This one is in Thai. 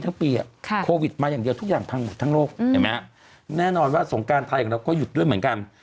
แน่นอนว่าสงการไทยเราก็หยุดด้วยเหมือนกัน